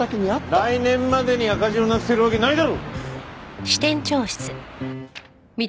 来年までに赤字をなくせるわけないだろ！